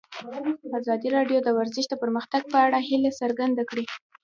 ازادي راډیو د ورزش د پرمختګ په اړه هیله څرګنده کړې.